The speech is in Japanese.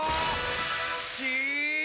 し！